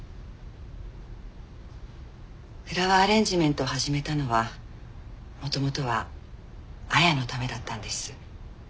フラワーアレンジメントを始めたのは元々は亜矢のためだったんです。